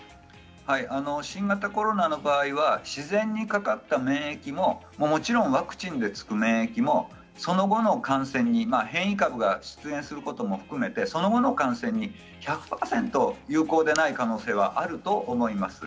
新型コロナの場合は自然にかかった免疫ももちろんワクチンでつく免疫もその後の感染に変異株が出現することも含めてその後の感染に１００％有効でない可能性はあると思います。